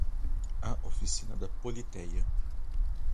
A oficina da Politeia